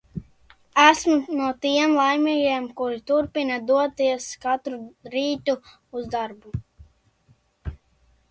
Esmu no tiem laimīgajiem, kuri turpina doties katru rītu uz darbu.